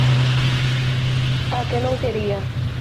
á que non quería